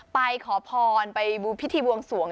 ไปขอพรไปพิธีบวงสวง